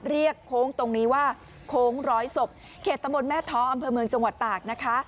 โค้งตรงนี้ว่าโค้งร้อยศพเขตตำบลแม่ท้ออำเภอเมืองจังหวัดตากนะคะ